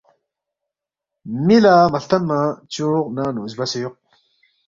می لہ مہ ہلتنما چوق ننگ نُو زبسے یوق